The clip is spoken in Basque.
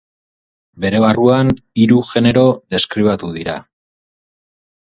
Bere barruan hiru genero deskribatu dira.